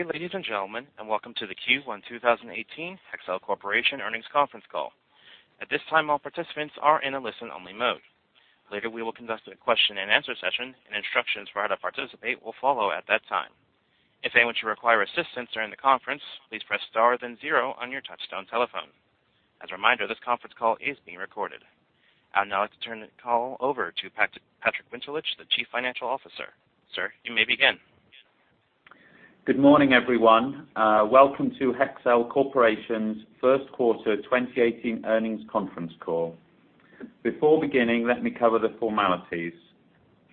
Good day, ladies and gentlemen. Welcome to the Q1 2018 Hexcel Corporation Earnings Conference Call. At this time, all participants are in a listen-only mode. Later, we will conduct a question and answer session. Instructions for how to participate will follow at that time. If anyone should require assistance during the conference, please press star 0 on your touchtone telephone. As a reminder, this conference call is being recorded. I'd now like to turn the call over to Patrick Winterlich, the Chief Financial Officer. Sir, you may begin. Good morning, everyone. Welcome to Hexcel Corporation's first quarter 2018 earnings conference call. Before beginning, let me cover the formalities.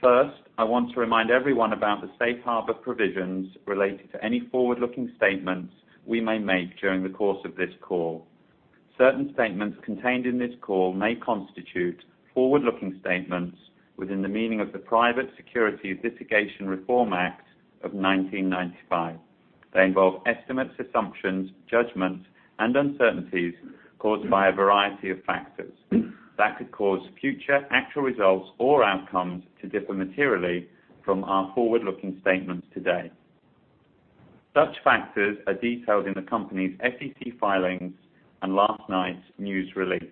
First, I want to remind everyone about the safe harbor provisions related to any forward-looking statements we may make during the course of this call. Certain statements contained in this call may constitute forward-looking statements within the meaning of the Private Securities Litigation Reform Act of 1995. They involve estimates, assumptions, judgments, and uncertainties caused by a variety of factors that could cause future actual results or outcomes to differ materially from our forward-looking statements today. Such factors are detailed in the company's SEC filings and last night's news release.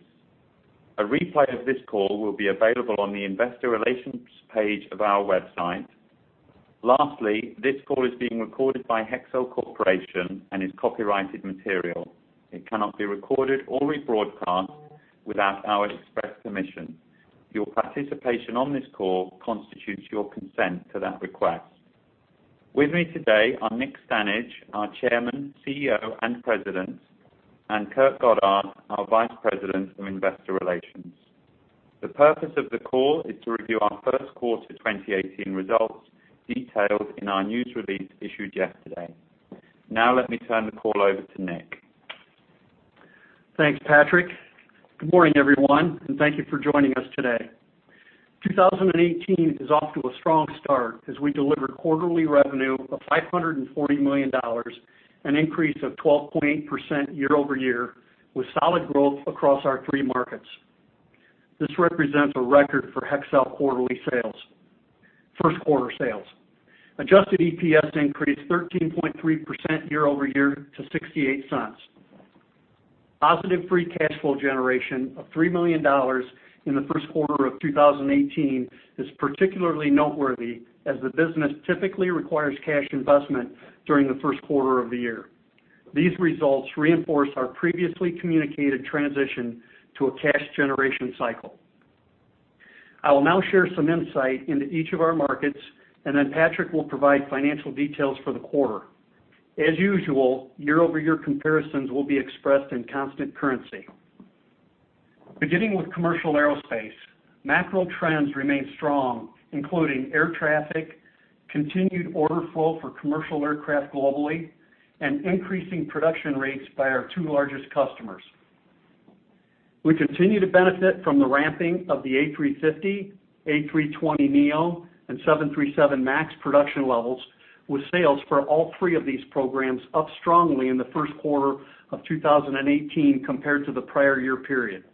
A replay of this call will be available on the investor relations page of our website. Lastly, this call is being recorded by Hexcel Corporation and is copyrighted material. It cannot be recorded or rebroadcast without our express permission. Your participation on this call constitutes your consent to that request. With me today are Nick Stanage, our Chairman, CEO, and President, and Kurt Goddard, our Vice President of Investor Relations. The purpose of the call is to review our first quarter 2018 results, detailed in our news release issued yesterday. Let me turn the call over to Nick. Thanks, Patrick. Good morning, everyone. Thank you for joining us today. 2018 is off to a strong start as we deliver quarterly revenue of $540 million, an increase of 12.8% year-over-year, with solid growth across our three markets. This represents a record for Hexcel first quarter sales. Adjusted EPS increased 13.3% year-over-year to $0.68. Positive free cash flow generation of $3 million in the first quarter of 2018 is particularly noteworthy as the business typically requires cash investment during the first quarter of the year. These results reinforce our previously communicated transition to a cash generation cycle. I will now share some insight into each of our markets. Patrick will provide financial details for the quarter. As usual, year-over-year comparisons will be expressed in constant currency. Beginning with commercial aerospace, macro trends remain strong, including air traffic, continued order flow for commercial aircraft globally, and increasing production rates by our two largest customers. We continue to benefit from the ramping of the A350, A320neo, and 737 MAX production levels, with sales for all three of these programs up strongly in the first quarter of 2018 compared to the prior year period.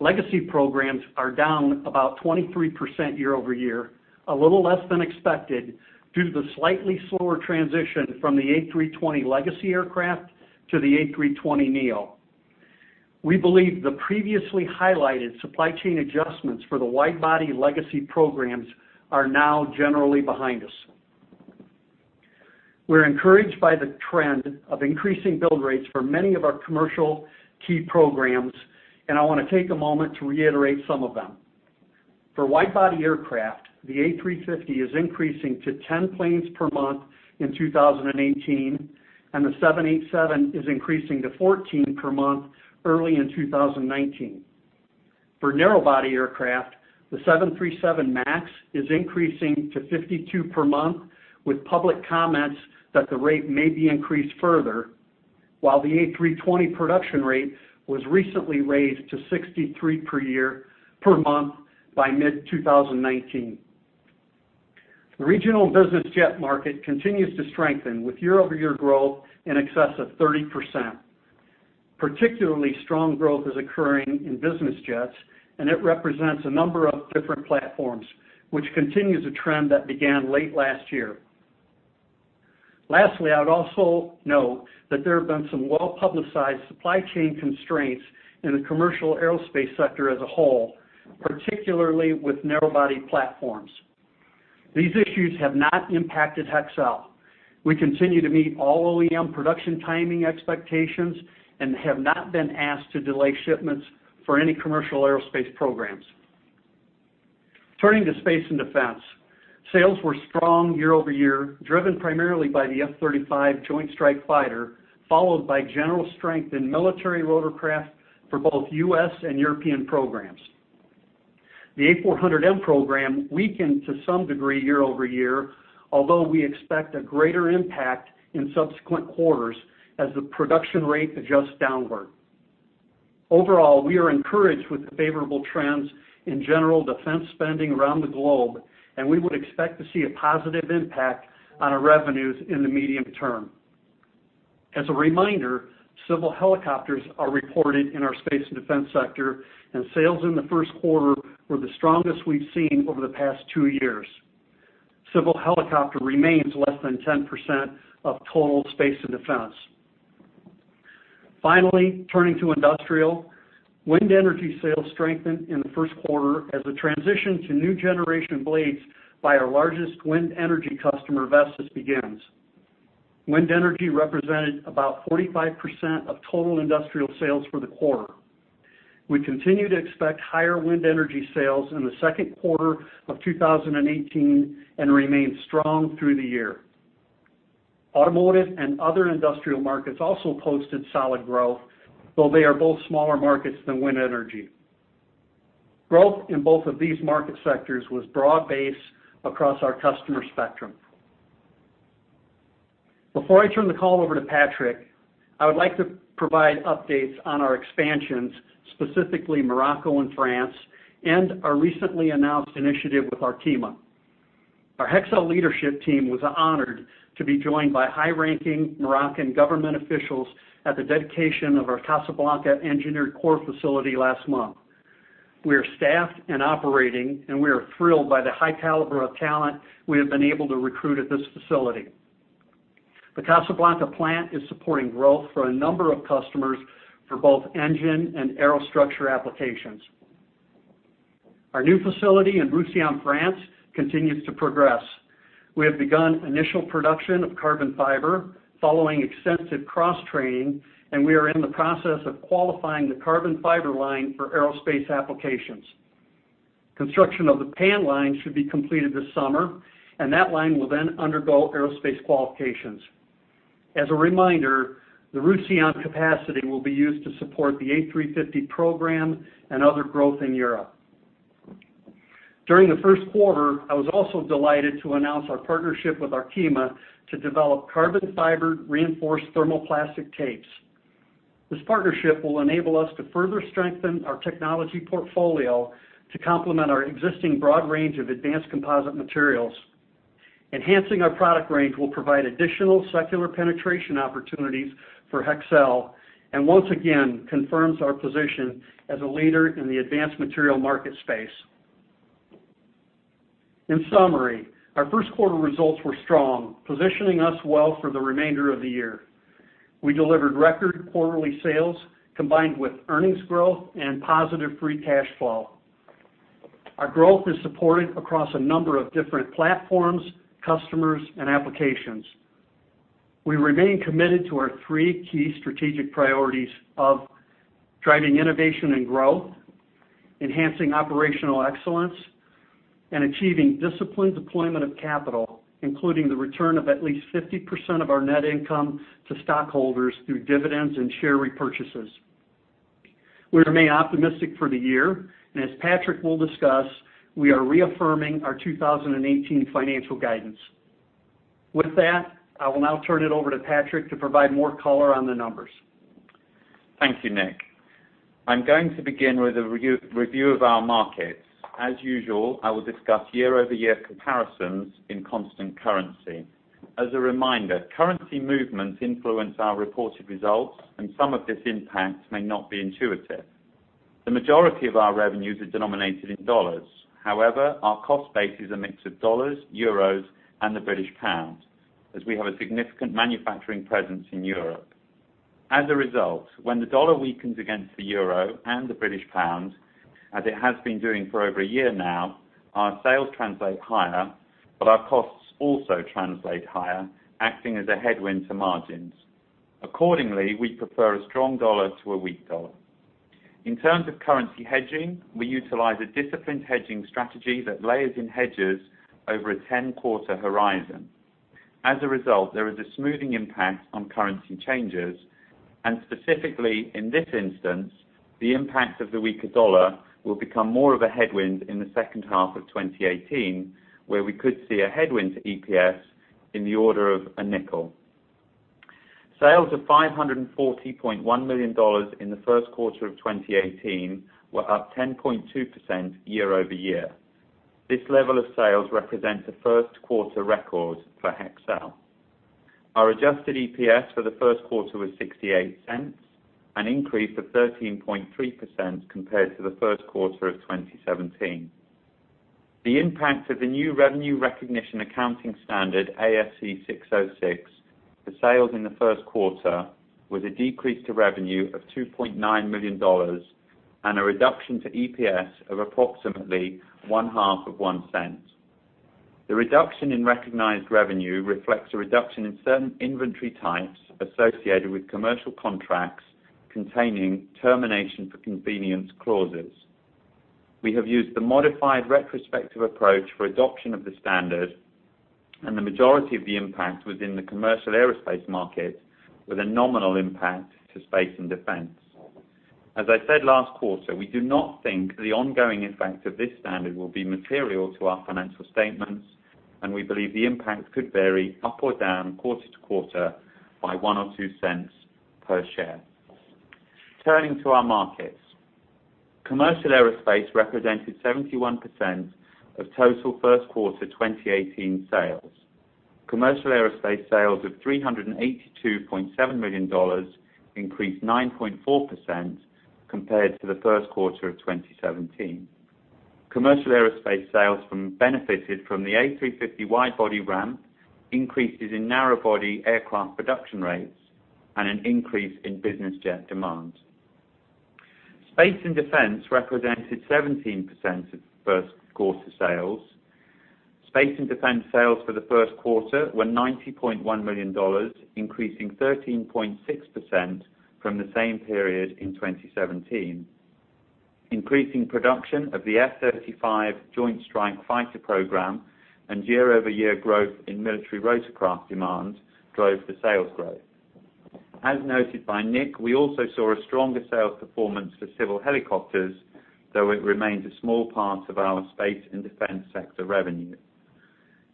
Legacy programs are down about 23% year-over-year, a little less than expected, due to the slightly slower transition from the A320 legacy aircraft to the A320neo. We believe the previously highlighted supply chain adjustments for the wide-body legacy programs are now generally behind us. We're encouraged by the trend of increasing build rates for many of our commercial key programs, and I want to take a moment to reiterate some of them. For wide-body aircraft, the A350 is increasing to 10 planes per month in 2018, and the 787 is increasing to 14 per month early in 2019. For narrow-body aircraft, the 737 MAX is increasing to 52 per month, with public comments that the rate may be increased further, while the A320 production rate was recently raised to 63 per month by mid-2019. The regional business jet market continues to strengthen with year-over-year growth in excess of 30%. Particularly strong growth is occurring in business jets, and it represents a number of different platforms, which continues a trend that began late last year. Lastly, I'd also note that there have been some well-publicized supply chain constraints in the commercial aerospace sector as a whole, particularly with narrow-body platforms. These issues have not impacted Hexcel. We continue to meet all OEM production timing expectations and have not been asked to delay shipments for any commercial aerospace programs. Turning to space and defense. Sales were strong year-over-year, driven primarily by the F-35 Joint Strike Fighter, followed by general strength in military rotorcraft for both U.S. and European programs. The A400M program weakened to some degree year-over-year, although we expect a greater impact in subsequent quarters as the production rate adjusts downward. Overall, we are encouraged with the favorable trends in general defense spending around the globe, and we would expect to see a positive impact on our revenues in the medium term. As a reminder, civil helicopters are reported in our space and defense sector, and sales in the first quarter were the strongest we've seen over the past two years. Civil helicopter remains less than 10% of total space and defense. Finally, turning to industrial, wind energy sales strengthened in the first quarter as a transition to new generation blades by our largest wind energy customer, Vestas, begins. Wind energy represented about 45% of total industrial sales for the quarter. We continue to expect higher wind energy sales in the second quarter of 2018, and remain strong through the year. Automotive and other industrial markets also posted solid growth, though they are both smaller markets than wind energy. Growth in both of these market sectors was broad-based across our customer spectrum. Before I turn the call over to Patrick, I would like to provide updates on our expansions, specifically Morocco and France, and our recently announced initiative with Arkema. Our Hexcel leadership team was honored to be joined by high-ranking Moroccan government officials at the dedication of our Casablanca engineered core facility last month. We are staffed and operating. We are thrilled by the high caliber of talent we have been able to recruit at this facility. The Casablanca plant is supporting growth for a number of customers for both engine and aerostructure applications. Our new facility in Roussillon, France, continues to progress. We have begun initial production of carbon fiber following extensive cross-training. We are in the process of qualifying the carbon fiber line for aerospace applications. Construction of the PAN line should be completed this summer. That line will then undergo aerospace qualifications. As a reminder, the Roussillon capacity will be used to support the A350 program and other growth in Europe. During the first quarter, I was also delighted to announce our partnership with Arkema to develop carbon fiber reinforced thermoplastic tapes. This partnership will enable us to further strengthen our technology portfolio to complement our existing broad range of advanced composite materials. Enhancing our product range will provide additional secular penetration opportunities for Hexcel. Once again, confirms our position as a leader in the advanced material market space. In summary, our first quarter results were strong, positioning us well for the remainder of the year. We delivered record quarterly sales, combined with earnings growth and positive free cash flow. Our growth is supported across a number of different platforms, customers, and applications. We remain committed to our three key strategic priorities of driving innovation and growth, enhancing operational excellence, and achieving disciplined deployment of capital, including the return of at least 50% of our net income to stockholders through dividends and share repurchases. We remain optimistic for the year. As Patrick will discuss, we are reaffirming our 2018 financial guidance. With that, I will now turn it over to Patrick to provide more color on the numbers. Thank you, Nick. I'm going to begin with a review of our markets. As usual, I will discuss year-over-year comparisons in constant currency. As a reminder, currency movements influence our reported results. Some of this impact may not be intuitive. The majority of our revenues are denominated in dollars. However, our cost base is a mix of dollars, EUR, and the British pound, as we have a significant manufacturing presence in Europe. As a result, when the dollar weakens against the EUR and the British pound, as it has been doing for over a year now, our sales translate higher, but our costs also translate higher, acting as a headwind to margins. Accordingly, we prefer a strong dollar to a weak dollar. In terms of currency hedging, we utilize a disciplined hedging strategy that layers in hedges over a 10-quarter horizon. As a result, there is a smoothing impact on currency changes. Specifically in this instance, the impact of the weaker dollar will become more of a headwind in the second half of 2018, where we could see a headwind to EPS in the order of $0.05. Sales of $540.1 million in the first quarter of 2018 were up 10.2% year-over-year. This level of sales represents a first-quarter record for Hexcel. Our adjusted EPS for the first quarter was $0.68, an increase of 13.3% compared to the first quarter of 2017. The impact of the new revenue recognition accounting standard, ASC 606, for sales in the first quarter, with a decrease to revenue of $2.9 million and a reduction to EPS of approximately $0.005. The reduction in recognized revenue reflects a reduction in certain inventory types associated with commercial contracts containing termination for convenience clauses. We have used the modified retrospective approach for adoption of the standard, and the majority of the impact was in the Commercial Aerospace market, with a nominal impact to Space and Defense. As I said last quarter, we do not think the ongoing effect of this standard will be material to our financial statements. We believe the impact could vary up or down quarter to quarter by $0.01 or $0.02 per share. Turning to our markets. Commercial Aerospace represented 71% of total first quarter 2018 sales. Commercial Aerospace sales of $382.7 million, increased 9.4% compared to the first quarter of 2017. Commercial Aerospace sales benefited from the A350 wide body ramp, increases in narrow body aircraft production rates, and an increase in business jet demand. Space and Defense represented 17% of first quarter sales. Space and Defense sales for the first quarter were $90.1 million, increasing 13.6% from the same period in 2017. Increasing production of the F-35 Joint Strike Fighter program and year-over-year growth in military rotorcraft demand drove the sales growth. As noted by Nick, we also saw a stronger sales performance for civil helicopters, though it remains a small part of our Space and Defense sector revenue.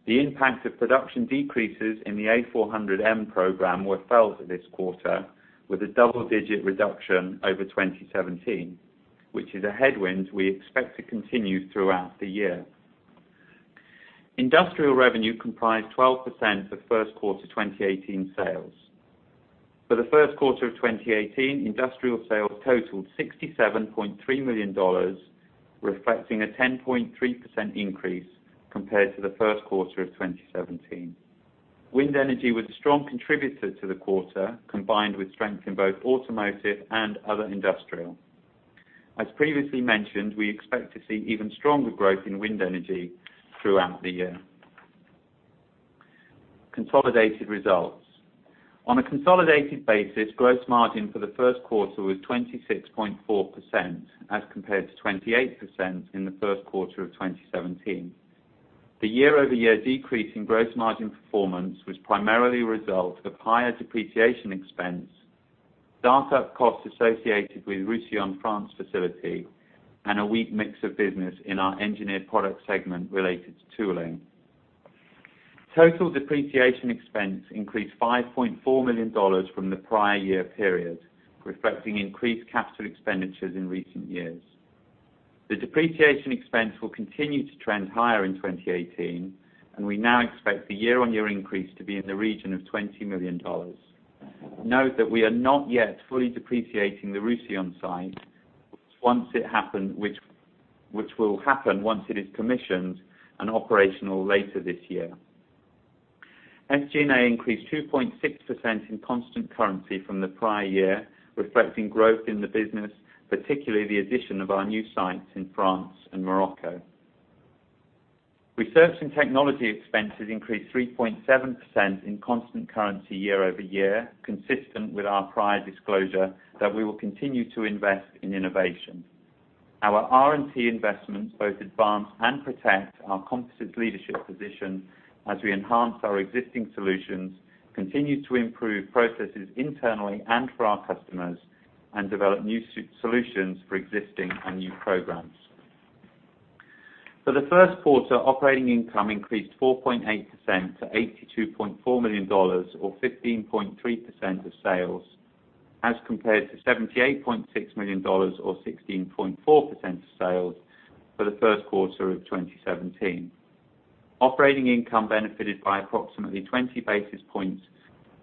The impact of production decreases in the A400M program were felt this quarter, with a double-digit reduction over 2017, which is a headwind we expect to continue throughout the year. Industrial revenue comprised 12% of first quarter 2018 sales. For the first quarter of 2018, Industrial sales totaled $67.3 million, reflecting a 10.3% increase compared to the first quarter of 2017. Wind energy was a strong contributor to the quarter, combined with strength in both automotive and other Industrial. As previously mentioned, we expect to see even stronger growth in wind energy throughout the year. Consolidated results. On a consolidated basis, gross margin for the first quarter was 26.4%, as compared to 28% in the first quarter of 2017. The year-over-year decrease in gross margin performance was primarily a result of higher depreciation expense, startup costs associated with Roussillon, France facility, and a weak mix of business in our Engineered Products segment related to tooling. Total depreciation expense increased $5.4 million from the prior year period, reflecting increased capital expenditures in recent years. The depreciation expense will continue to trend higher in 2018. We now expect the year-on-year increase to be in the region of $20 million. Note that we are not yet fully depreciating the Roussillon site, which will happen once it is commissioned and operational later this year. SG&A increased 2.6% in constant currency from the prior year, reflecting growth in the business, particularly the addition of our new sites in France and Morocco. Research and technology expenses increased 3.7% in constant currency year-over-year, consistent with our prior disclosure that we will continue to invest in innovation. Our R&T investments both advance and protect our composite leadership position as we enhance our existing solutions, continue to improve processes internally and for our customers, and develop new solutions for existing and new programs. For the first quarter, operating income increased 4.8% to $82.4 million or 15.3% of sales, as compared to $78.6 million or 16.4% of sales for the first quarter of 2017. Operating income benefited by approximately 20 basis points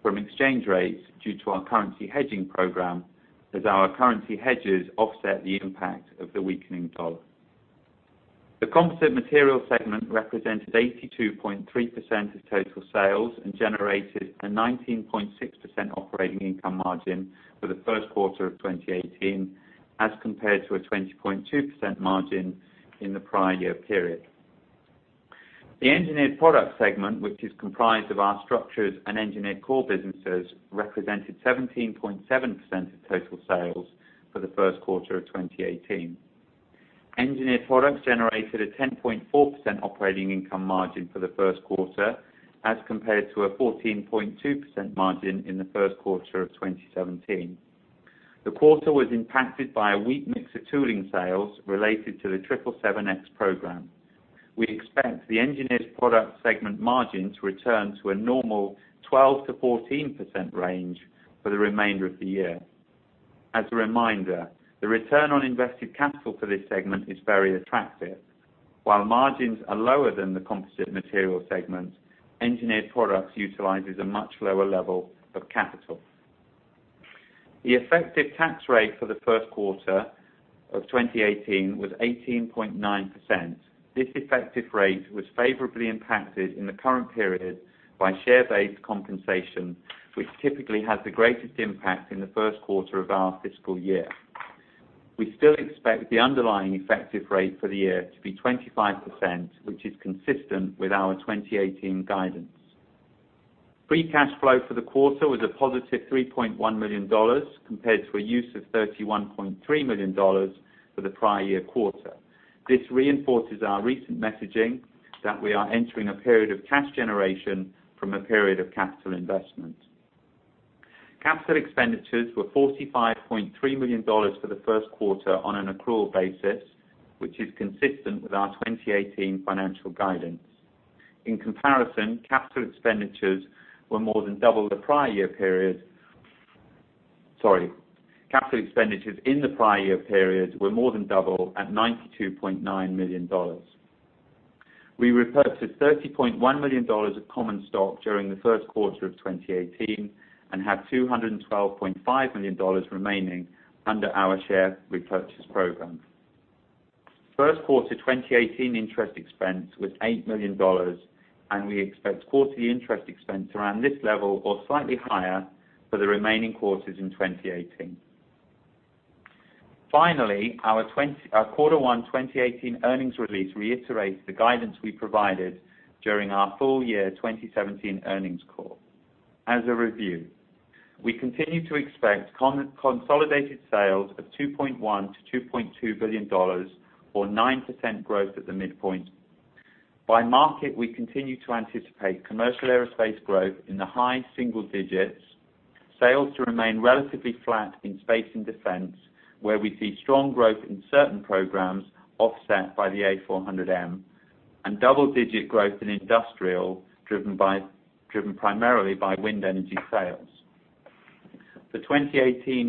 from exchange rates due to our currency hedging program, as our currency hedges offset the impact of the weakening dollar. The Composite Materials segment represented 82.3% of total sales and generated a 19.6% operating income margin for the first quarter of 2018 as compared to a 20.2% margin in the prior year period. The Engineered Products segment, which is comprised of our structures and engineered core businesses, represented 17.7% of total sales for the first quarter of 2018. Engineered Products generated a 10.4% operating income margin for the first quarter as compared to a 14.2% margin in the first quarter of 2017. The quarter was impacted by a weak mix of tooling sales related to the 777X program. We expect the Engineered Products segment margin to return to a normal 12%-14% range for the remainder of the year. As a reminder, the return on invested capital for this segment is very attractive. While margins are lower than the Composite Materials segment, Engineered Products utilizes a much lower level of capital. The effective tax rate for the first quarter of 2018 was 18.9%. This effective rate was favorably impacted in the current period by share-based compensation, which typically has the greatest impact in the first quarter of our fiscal year. We still expect the underlying effective rate for the year to be 25%, which is consistent with our 2018 guidance. Free cash flow for the quarter was a positive $3.1 million compared to a use of $31.3 million for the prior year quarter. This reinforces our recent messaging that we are entering a period of cash generation from a period of capital investment. Capital expenditures were $45.3 million for the first quarter on an accrual basis, which is consistent with our 2018 financial guidance. In comparison, capital expenditures were more than double the prior year period. Sorry. Capital expenditures in the prior year period were more than double at $92.9 million. We repurchased $30.1 million of common stock during the first quarter of 2018 and have $212.5 million remaining under our share repurchase program. First quarter 2018 interest expense was $8 million, and we expect quarterly interest expense around this level or slightly higher for the remaining quarters in 2018. Finally, our quarter one 2018 earnings release reiterates the guidance we provided during our full year 2017 earnings call. As a review, we continue to expect consolidated sales of $2.1 billion-$2.2 billion, or 9% growth at the midpoint. By market, we continue to anticipate Commercial Aerospace growth in the high single digits, sales to remain relatively flat in Space and Defense, where we see strong growth in certain programs offset by the A400M, and double-digit growth in Industrial, driven primarily by wind energy sales. For 2018,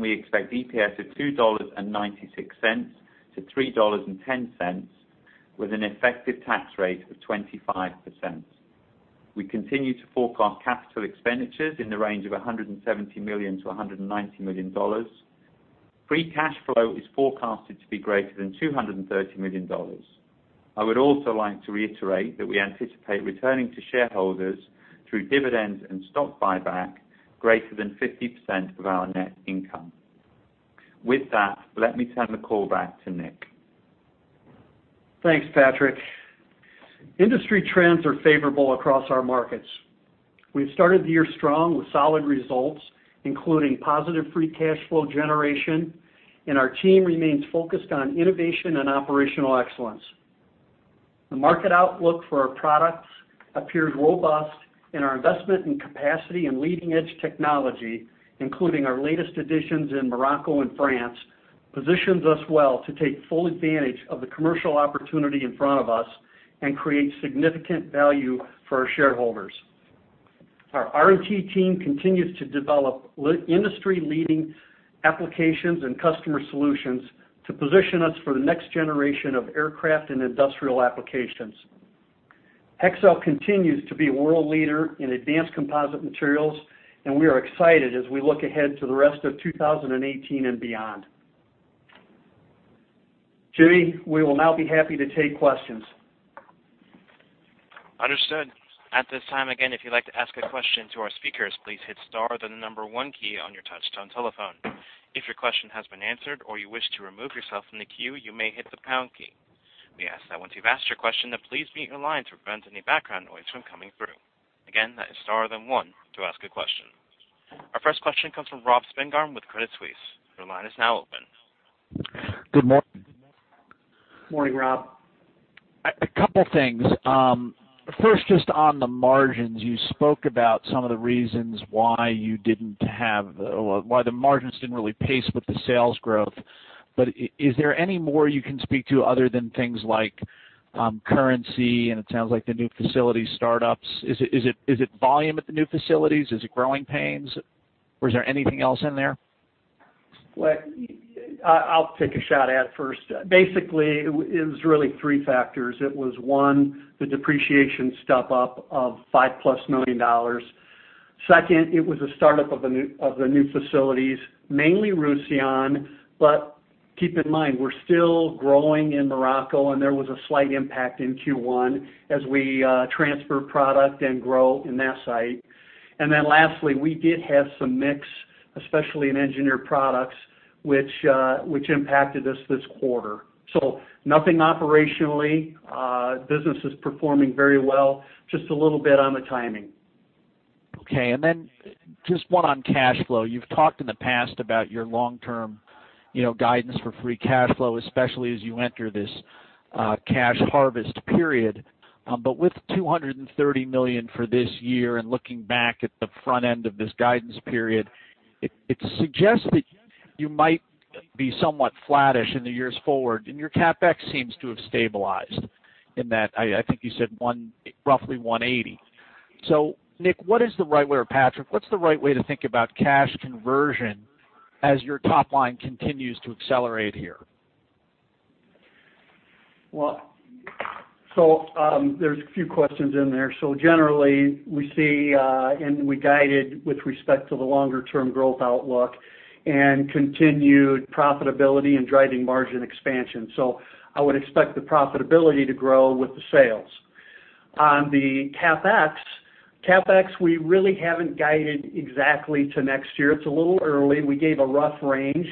we expect EPS of $2.96 to $3.10, with an effective tax rate of 25%. We continue to forecast capital expenditures in the range of $170 million to $190 million. Free cash flow is forecasted to be greater than $230 million. I would also like to reiterate that we anticipate returning to shareholders through dividends and stock buyback greater than 50% of our net income. With that, let me turn the call back to Nick. Thanks, Patrick. Industry trends are favorable across our markets. We've started the year strong with solid results, including positive free cash flow generation. Our team remains focused on innovation and operational excellence. The market outlook for our products appears robust. Our investment in capacity and leading-edge technology, including our latest additions in Morocco and France, positions us well to take full advantage of the commercial opportunity in front of us and create significant value for our shareholders. Our R&T team continues to develop industry-leading applications and customer solutions to position us for the next generation of aircraft and industrial applications. Hexcel continues to be a world leader in advanced composite materials. We are excited as we look ahead to the rest of 2018 and beyond. Jimmy, we will now be happy to take questions. Understood. At this time, again, if you'd like to ask a question to our speakers, please hit star, then the number 1 key on your touchtone telephone. If your question has been answered or you wish to remove yourself from the queue, you may hit the pound key. We ask that once you've asked your question, then please mute your line to prevent any background noise from coming through. Again, that is star, then 1 to ask a question. Our first question comes from Robert Spingarn with Credit Suisse. Your line is now open. Good morning. Morning, Rob. Two things. First, just on the margins, you spoke about some of the reasons why the margins didn't really pace with the sales growth. Is there any more you can speak to other than things like currency, and it sounds like the new facility startups? Is it volume at the new facilities? Is it growing pains? Or is there anything else in there? I'll take a shot at it first. Basically, it was really three factors. It was, one, the depreciation step up of $5-plus million. Second, it was the startup of the new facilities, mainly Roussillon. Keep in mind, we're still growing in Morocco, and there was a slight impact in Q1 as we transfer product and grow in that site. Lastly, we did have some mix, especially in Engineered Products, which impacted us this quarter. Nothing operationally. Business is performing very well, just a little bit on the timing. Okay, just one on cash flow. You've talked in the past about your long-term guidance for free cash flow, especially as you enter this cash harvest period. With $230 million for this year and looking back at the front end of this guidance period, it suggests that you might be somewhat flattish in the years forward, and your CapEx seems to have stabilized in that, I think you said roughly $180. Nick, or Patrick, what's the right way to think about cash conversion as your top line continues to accelerate here? There's a few questions in there. Generally, we see, and we guided with respect to the longer-term growth outlook and continued profitability and driving margin expansion. I would expect the profitability to grow with the sales. On the CapEx, we really haven't guided exactly to next year. It's a little early. We gave a rough range.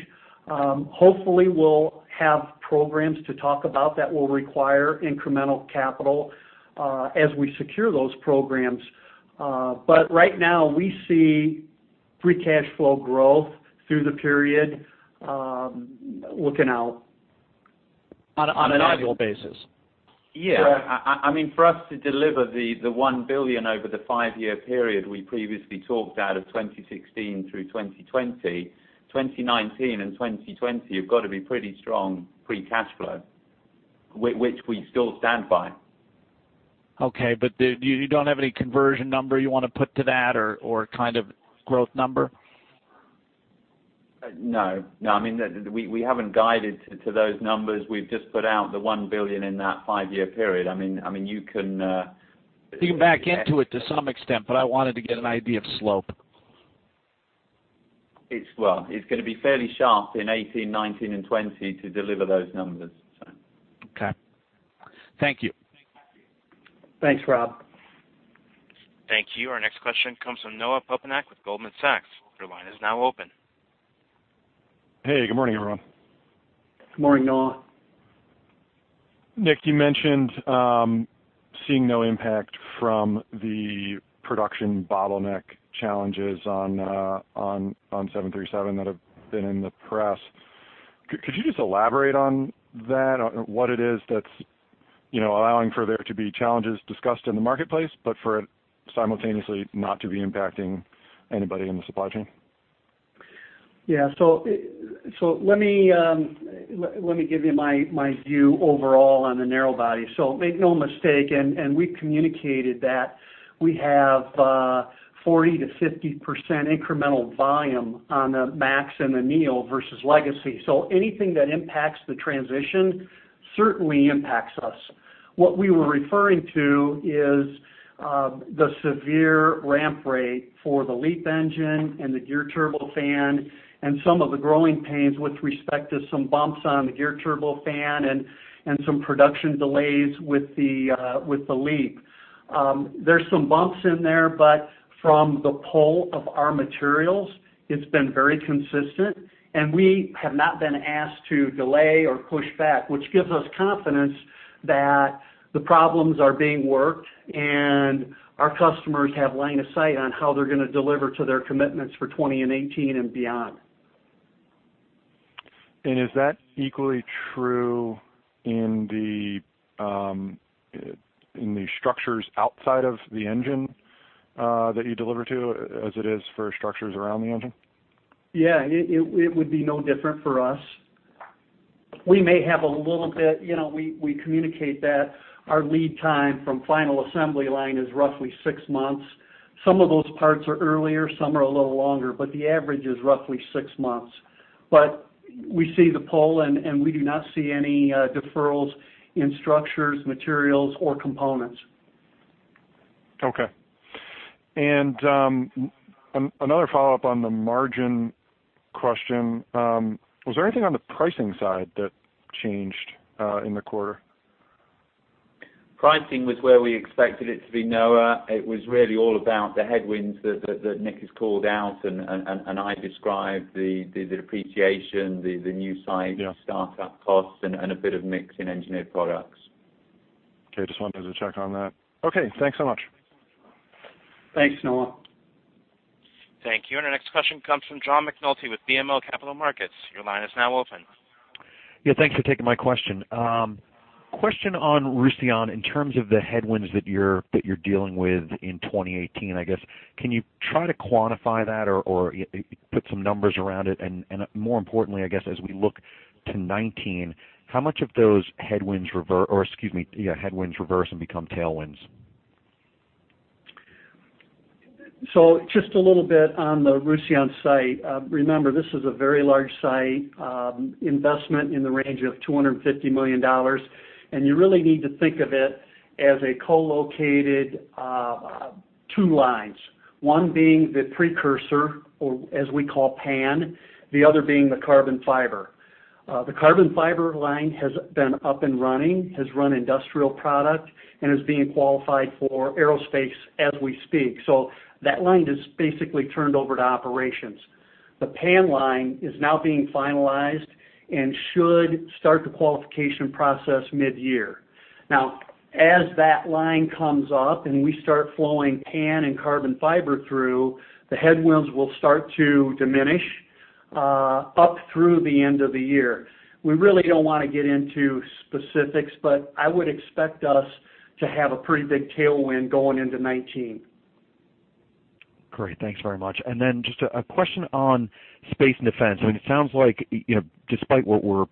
Hopefully, we'll have programs to talk about that will require incremental capital as we secure those programs. Right now, we see free cash flow growth through the period, looking out On an annual basis. Yeah. For us to deliver the $1 billion over the five-year period we previously talked out of 2016 through 2020, 2019 and 2020 have got to be pretty strong free cash flow, which we still stand by. Okay. You don't have any conversion number you want to put to that or growth number? No. We haven't guided to those numbers. We've just put out the $1 billion in that five-year period. You can back into it to some extent. I wanted to get an idea of slope. Well, it's going to be fairly sharp in 2018, 2019, and 2020 to deliver those numbers. Okay. Thank you. Thanks, Rob. Thank you. Our next question comes from Noah Poponak with Goldman Sachs. Your line is now open. Hey, good morning, everyone. Good morning, Noah. Nick, you mentioned seeing no impact from the production bottleneck challenges on 737 that have been in the press. Could you just elaborate on that, on what it is that's allowing for there to be challenges discussed in the marketplace, but for it simultaneously not to be impacting anybody in the supply chain? Yeah. Let me give you my view overall on the narrow body. Make no mistake, we communicated that we have 40%-50% incremental volume on the MAX and the NEO versus legacy. Anything that impacts the transition certainly impacts us. What we were referring to is the severe ramp rate for the LEAP engine and the Geared Turbofan, some of the growing pains with respect to some bumps on the Geared Turbofan and some production delays with the LEAP. There's some bumps in there, from the pull of our materials, it's been very consistent, we have not been asked to delay or push back, which gives us confidence that the problems are being worked, and our customers have line of sight on how they're going to deliver to their commitments for 2020 and 2018 and beyond. Is that equally true in the structures outside of the engine that you deliver to, as it is for structures around the engine? Yeah. It would be no different for us. We communicate that our lead time from final assembly line is roughly six months. Some of those parts are earlier, some are a little longer, the average is roughly six months. We see the pull, and we do not see any deferrals in structures, materials, or components. Okay. Another follow-up on the margin question. Was there anything on the pricing side that changed in the quarter? Pricing was where we expected it to be, Noah. It was really all about the headwinds that Nick has called out, and I described the depreciation, the new site startup costs. Yeah There was a bit of mix in Engineered Products. Okay. Just wanted to check on that. Okay, thanks so much. Thanks, Noah. Thank you. Our next question comes from John McNulty with BMO Capital Markets. Your line is now open. Yeah, thanks for taking my question. Question on Roussillon, in terms of the headwinds that you're dealing with in 2018, I guess, can you try to quantify that or put some numbers around it? More importantly, I guess, as we look to 2019, how much of those headwinds reverse or excuse me, yeah, headwinds reverse and become tailwinds? Just a little bit on the Roussillon site. Remember, this is a very large site investment in the range of $250 million. You really need to think of it as a co-located two lines, one being the precursor, or as we call PAN, the other being the carbon fiber. The carbon fiber line has been up and running, has run industrial product, and is being qualified for aerospace as we speak. That line is basically turned over to operations. The PAN line is now being finalized and should start the qualification process mid-year. As that line comes up and we start flowing PAN and carbon fiber through, the headwinds will start to diminish up through the end of the year. We really don't want to get into specifics, but I would expect us to have a pretty big tailwind going into 2019. Great. Thanks very much. Just a question on space and defense. It sounds like despite what were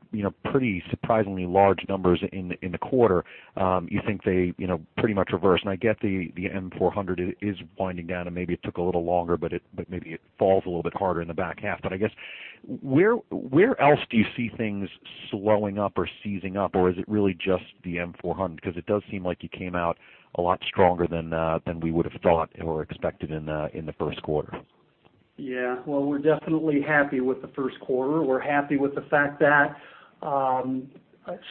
pretty surprisingly large numbers in the quarter, you think they pretty much reverse. I get the A400M is winding down and maybe it took a little longer, but maybe it falls a little bit harder in the back half. I guess, where else do you see things slowing up or seizing up? Is it really just the A400M? It does seem like you came out a lot stronger than we would have thought or expected in the first quarter. We're definitely happy with the first quarter. We're happy with the fact that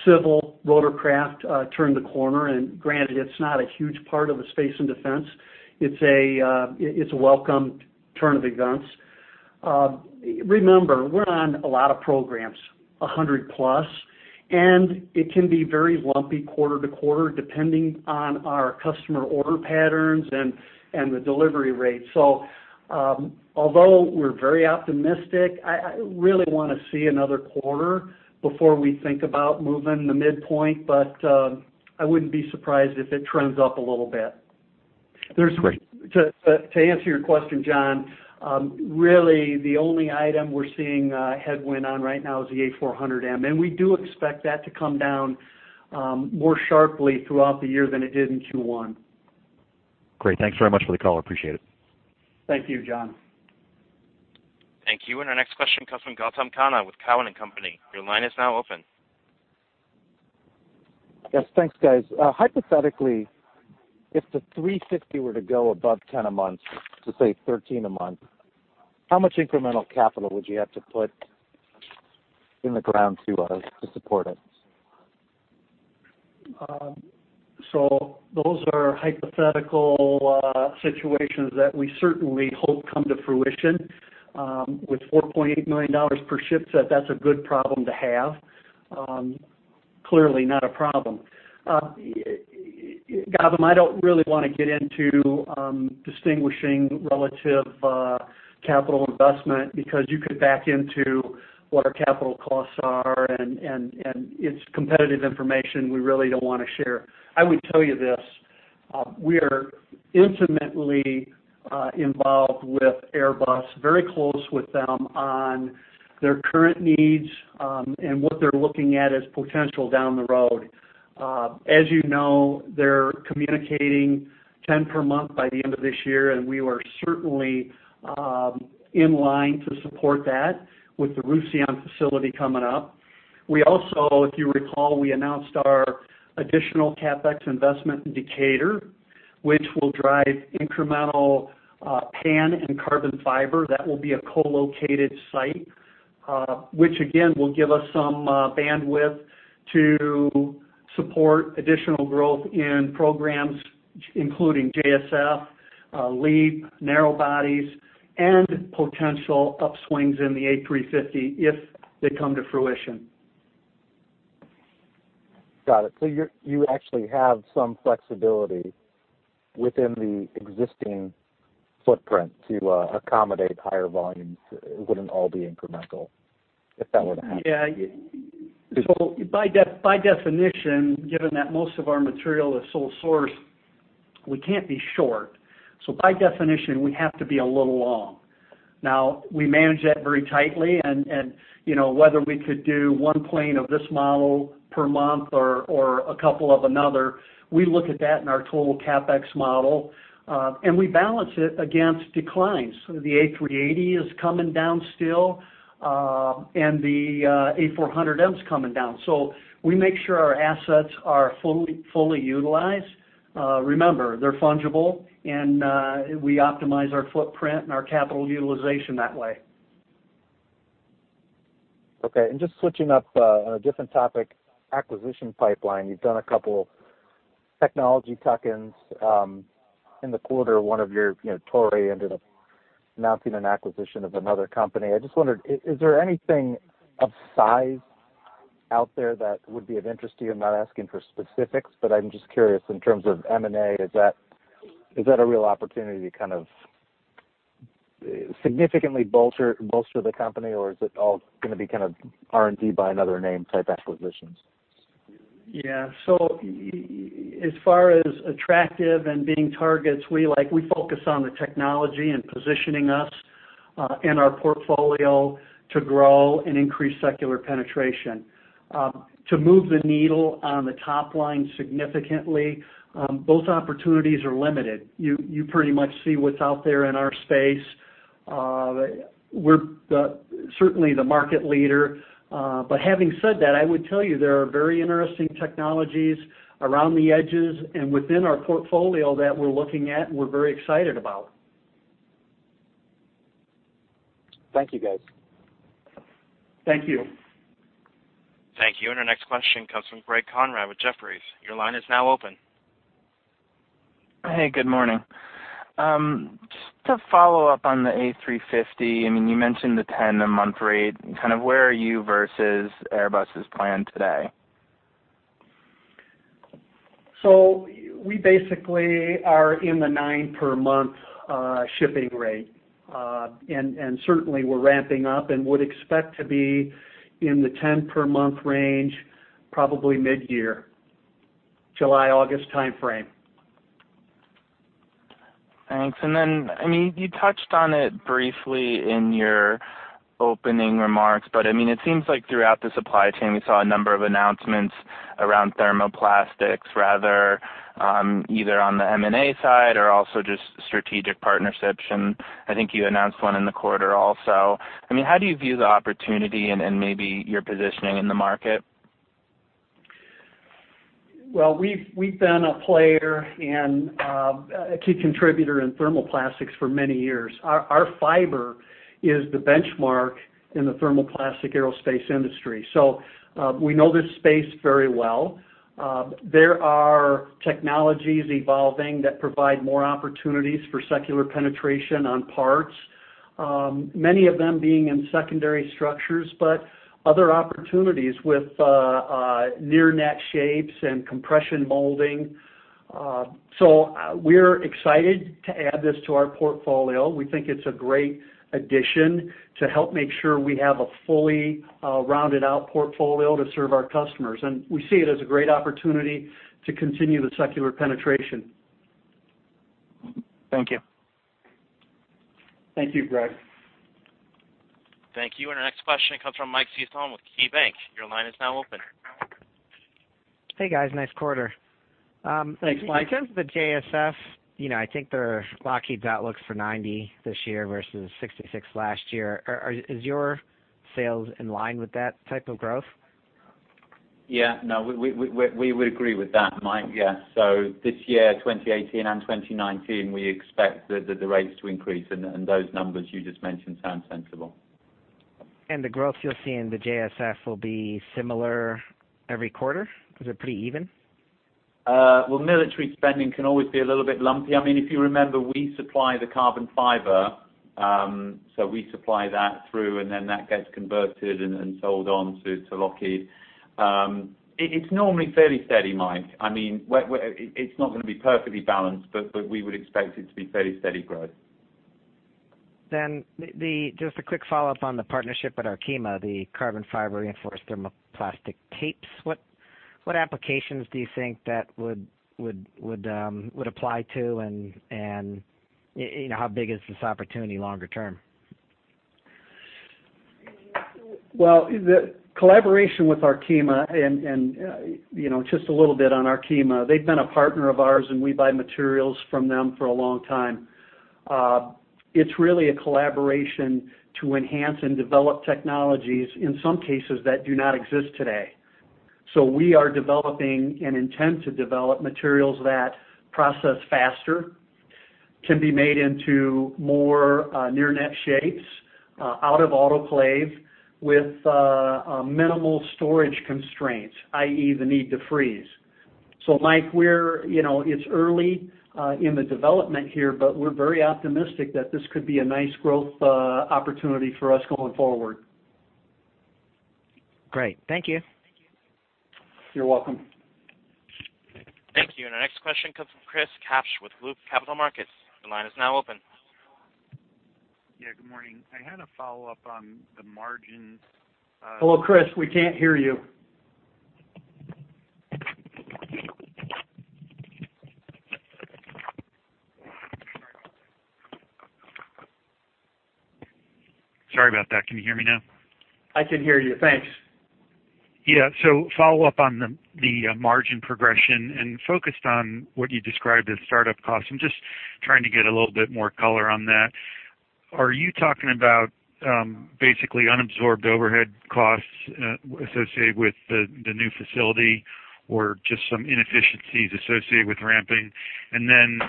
civil rotorcraft turned the corner, granted, it's not a huge part of the space and defense. It's a welcome turn of events. Remember, we're on a lot of programs, 100+, it can be very lumpy quarter to quarter, depending on our customer order patterns and the delivery rate. Although we're very optimistic, I really want to see another quarter before we think about moving the midpoint, but I wouldn't be surprised if it trends up a little bit. To answer your question, John, really the only item we're seeing a headwind on right now is the A400M, and we do expect that to come down more sharply throughout the year than it did in Q1. Great. Thanks very much for the call. Appreciate it. Thank you, John. Thank you. Our next question comes from Gautam Khanna with Cowen and Company. Your line is now open. Yes, thanks, guys. Hypothetically, if the A350 were to go above 10 a month to, say, 13 a month, how much incremental capital would you have to put in the ground to support it? Those are hypothetical situations that we certainly hope come to fruition. With $4.8 million per ship set, that's a good problem to have. Clearly not a problem. Gautam, I don't really want to get into distinguishing relative capital investment because you could back into what our capital costs are, and it's competitive information we really don't want to share. I would tell you this, we are intimately involved with Airbus, very close with them on their current needs, and what they're looking at as potential down the road. As you know, they're communicating 10 per month by the end of this year, and we are certainly in line to support that with the Roussillon facility coming up. We also, if you recall, we announced our additional CapEx investment in Decatur, which will drive incremental PAN and carbon fiber. That will be a co-located site, which again, will give us some bandwidth to support additional growth in programs including JSF, LEAP, narrow bodies, and potential upswings in the A350 if they come to fruition. Got it. You actually have some flexibility within the existing footprint to accommodate higher volumes. It wouldn't all be incremental if that were to happen. Yeah. By definition, given that most of our material is sole source, we can't be short. By definition, we have to be a little long. Now, we manage that very tightly and whether we could do one plane of this model per month or a couple of another, we look at that in our total CapEx model, and we balance it against declines. The A380 is coming down still, and the A400M's coming down. We make sure our assets are fully utilized. Remember, they're fungible, and we optimize our footprint and our capital utilization that way. Okay, just switching up on a different topic, acquisition pipeline. You've done a couple technology tuck-ins. In the quarter, one of your, Toray, ended up announcing an acquisition of another company. I just wondered, is there anything of size out there that would be of interest to you? I'm not asking for specifics, but I'm just curious in terms of M&A, is that a real opportunity to kind of significantly bolster the company, or is it all going to be R&D by another name type acquisitions? Yeah. As far as attractive and being targets, we focus on the technology and positioning us, and our portfolio to grow and increase secular penetration. To move the needle on the top line significantly, those opportunities are limited. You pretty much see what's out there in our space. We're certainly the market leader. Having said that, I would tell you, there are very interesting technologies around the edges and within our portfolio that we're looking at and we're very excited about. Thank you, guys. Thank you. Thank you. Our next question comes from Greg Konrad with Jefferies. Your line is now open. Hey, good morning. Just to follow up on the A350, you mentioned the 10 a month rate. Where are you versus Airbus's plan today? We basically are in the nine-per-month shipping rate. Certainly, we're ramping up and would expect to be in the 10-per-month range probably mid-year, July, August timeframe. Thanks. You touched on it briefly in your opening remarks, but it seems like throughout the supply chain, we saw a number of announcements around thermoplastics, either on the M&A side or also just strategic partnerships, and I think you announced one in the quarter also. How do you view the opportunity and maybe your positioning in the market? Well, we've been a player and a key contributor in thermoplastics for many years. Our fiber is the benchmark in the thermoplastic aerospace industry. We know this space very well. There are technologies evolving that provide more opportunities for secular penetration on parts. Many of them being in secondary structures, but other opportunities with near net shapes and compression molding. We're excited to add this to our portfolio. We think it's a great addition to help make sure we have a fully rounded out portfolio to serve our customers. We see it as a great opportunity to continue the secular penetration. Thank you. Thank you, Greg. Thank you. Our next question comes from Mike Ciarmoli with KeyBanc. Your line is now open. Hey, guys. Nice quarter. Thanks, Mike. In terms of the JSF, I think their Lockheed outlook's for 90 this year versus 66 last year. Is your sales in line with that type of growth? Yeah. No, we would agree with that, Mike. Yeah. This year, 2018 and 2019, we expect the rates to increase and those numbers you just mentioned sound sensible. The growth you're seeing in the JSF will be similar every quarter? Is it pretty even? Well, military spending can always be a little bit lumpy. If you remember, we supply the carbon fiber, so we supply that through and then that gets converted and sold on to Lockheed. It's normally fairly steady, Mike. It's not going to be perfectly balanced, but we would expect it to be fairly steady growth. Just a quick follow-up on the partnership with Arkema, the carbon fiber reinforced thermoplastic tapes. What applications do you think that would apply to, and how big is this opportunity longer term? Well, the collaboration with Arkema, and just a little bit on Arkema, they've been a partner of ours, and we buy materials from them for a long time. It's really a collaboration to enhance and develop technologies, in some cases, that do not exist today. We are developing and intend to develop materials that process faster, can be made into more near net shapes out of autoclave with minimal storage constraints, i.e., the need to freeze. Mike, it's early in the development here, but we're very optimistic that this could be a nice growth opportunity for us going forward. Great. Thank you. You're welcome. Thank you. Our next question comes from Chris Kasch with Loop Capital Markets. Your line is now open. Yeah, good morning. I had a follow-up on the margins. Hello, Chris, we can't hear you. Sorry about that. Can you hear me now? I can hear you. Thanks. Follow up on the margin progression and focused on what you described as startup costs. I'm just trying to get a little bit more color on that. Are you talking about basically unabsorbed overhead costs associated with the new facility or just some inefficiencies associated with ramping? Then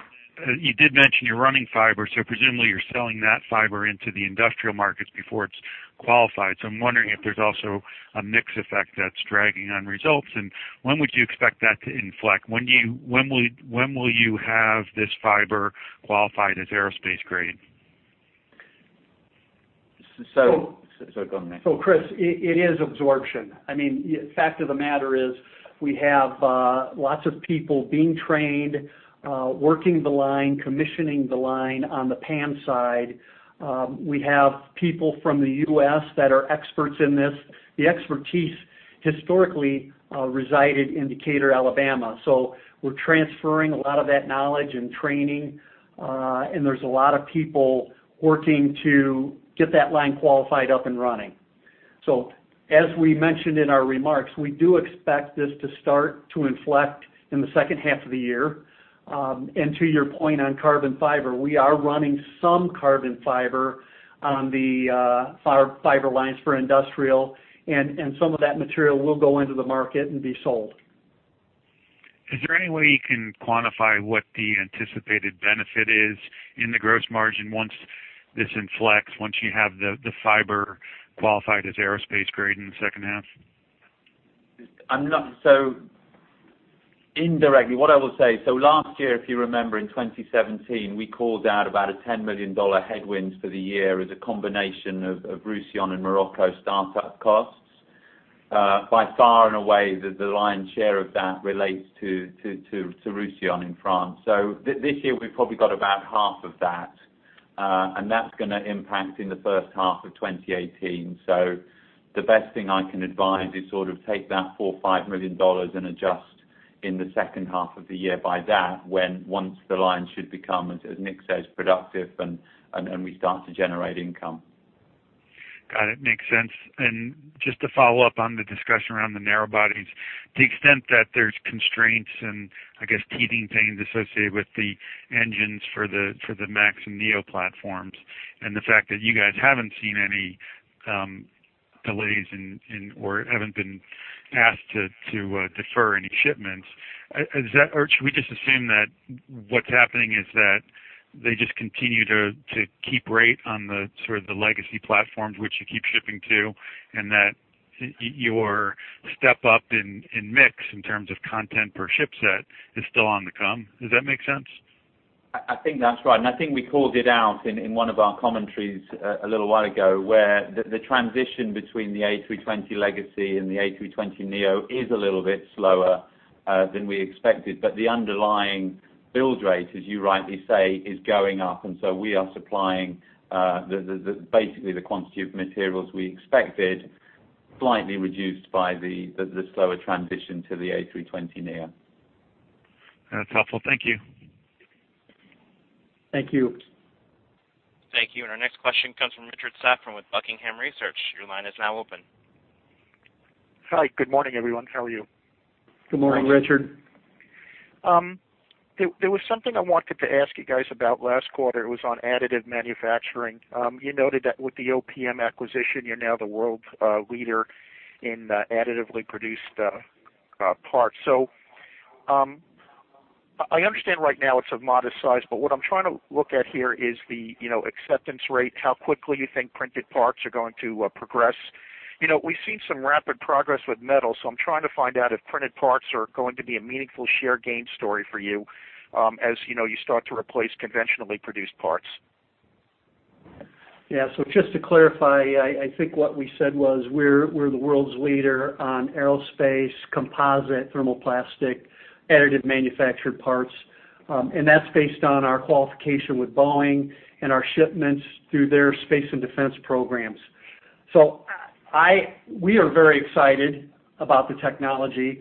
you did mention you're running fiber, presumably you're selling that fiber into the industrial markets before it's qualified. I'm wondering if there's also a mix effect that's dragging on results, and when would you expect that to inflect? When will you have this fiber qualified as aerospace grade? Go on, Nick. Chris, it is absorption. The fact of the matter is we have lots of people being trained, working the line, commissioning the line on the PAN side. We have people from the U.S. that are experts in this. The expertise historically resided in Decatur, Alabama. We're transferring a lot of that knowledge and training, and there's a lot of people working to get that line qualified up and running. As we mentioned in our remarks, we do expect this to start to inflect in the second half of the year. To your point on carbon fiber, we are running some carbon fiber on the fiber lines for industrial, and some of that material will go into the market and be sold. Is there any way you can quantify what the anticipated benefit is in the gross margin once this inflects, once you have the fiber qualified as aerospace grade in the second half? Indirectly. What I will say, last year, if you remember in 2017, we called out about a $10 million headwind for the year as a combination of Roussillon and Morocco startup costs. By far in a way, the lion's share of that relates to Roussillon in France. This year we've probably got about half of that, and that's going to impact in the first half of 2018. The best thing I can advise is sort of take that $4 or $5 million and adjust in the second half of the year by that when once the line should become, as Nick says, productive and we start to generate income. Got it. Makes sense. Just to follow up on the discussion around the narrow bodies, to the extent that there's constraints and I guess teething pains associated with the engines for the MAX and Neo platforms, the fact that you guys haven't seen any delays or haven't been asked to defer any shipments, should we just assume that what's happening is that they just continue to keep rate on the sort of the legacy platforms which you keep shipping to, and that your step up in mix in terms of content per ship set is still on the come. Does that make sense? I think that's right. I think we called it out in one of our commentaries a little while ago, where the transition between the A320 legacy and the A320neo is a little bit slower than we expected. The underlying build rate, as you rightly say, is going up, we are supplying basically the quantity of materials we expected, slightly reduced by the slower transition to the A320neo. That's helpful. Thank you. Thank you. Thank you. Our next question comes from Richard Safran with Buckingham Research. Your line is now open. Hi. Good morning, everyone. How are you? Good morning, Richard. There was something I wanted to ask you guys about last quarter. It was on additive manufacturing. You noted that with the OPM acquisition, you're now the world leader in additively produced parts. I understand right now it's of modest size, but what I'm trying to look at here is the acceptance rate, how quickly you think printed parts are going to progress. We've seen some rapid progress with metal, I'm trying to find out if printed parts are going to be a meaningful share gain story for you, as you start to replace conventionally produced parts. Yeah. Just to clarify, I think what we said was we're the world's leader on aerospace composite thermoplastic additive manufactured parts. That's based on our qualification with Boeing and our shipments through their space and defense programs. We are very excited about the technology.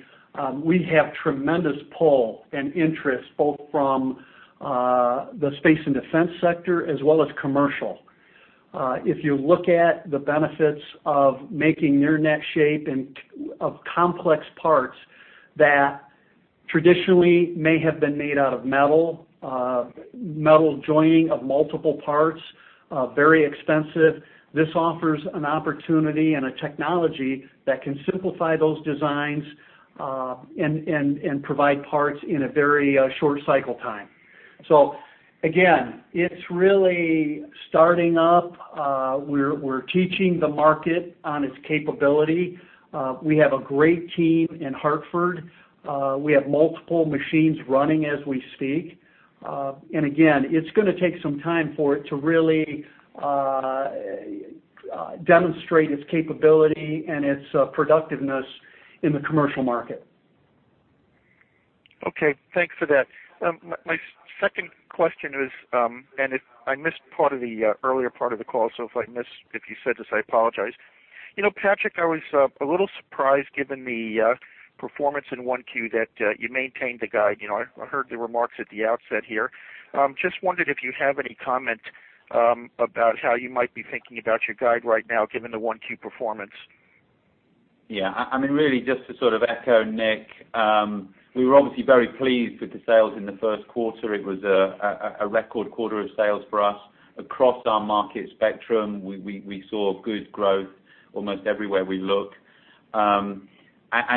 We have tremendous pull and interest, both from the space and defense sector as well as commercial. If you look at the benefits of making near-net shape and of complex parts that traditionally may have been made out of metal joining of multiple parts, very expensive. This offers an an opportunity and a technology that can simplify those designs, and provide parts in a very short cycle time. Again, it's really starting up. We're teaching the market on its capability. We have a great team in Hartford. We have multiple machines running as we speak. Again, it's going to take some time for it to really demonstrate its capability and its productiveness in the commercial market. Okay. Thanks for that. My second question is. If I missed part of the earlier part of the call, if I missed, if you said this, I apologize. Patrick, I was a little surprised given the performance in Q1 that you maintained the guide. I heard the remarks at the outset here. Just wondered if you have any comment about how you might be thinking about your guide right now given the Q1 performance. Yeah. Really just to sort of echo Nick, we were obviously very pleased with the sales in the first quarter. It was a record quarter of sales for us. Across our market spectrum, we saw good growth almost everywhere we look.